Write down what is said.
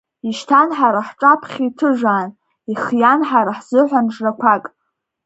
Ишьҭан ҳара ҳҿаԥхьа иҭыжаан, ихиан ҳара ҳзыҳәан жрақәак.